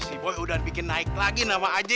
si boy udah bikin naik lagi nama aje